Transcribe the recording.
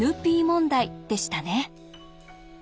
ＮＰ問題でしたね。